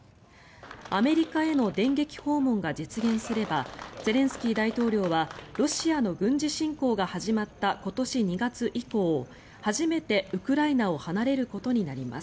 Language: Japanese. アメリカへの電撃訪問が実現すればゼレンスキー大統領はロシアの軍事侵攻が始まった今年２月以降初めてウクライナを離れることになります。